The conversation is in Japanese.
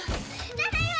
ただいま！